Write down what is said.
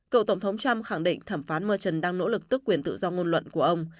cựu tổng thống trump khẳng định thẩm phán merchon đang nỗ lực tức quyền tự do ngôn luận của ông